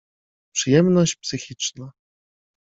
Przyjemność psychiczna.